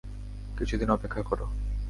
কিছুদিন অপেক্ষা করো।